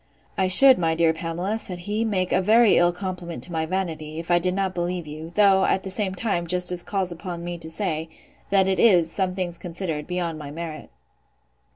I should, my dear Pamela, said he, make a very ill compliment to my vanity, if I did not believe you; though, at the same time, justice calls upon me to say, that it is, some things considered, beyond my merit.